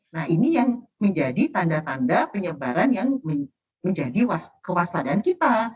nah ini yang menjadi tanda tanda penyebaran yang menjadi kewaspadaan kita